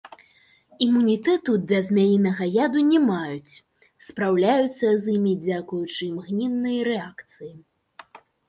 Імунітэту да змяінага яду не маюць, спраўляюцца з імі дзякуючы імгненнай рэакцыі.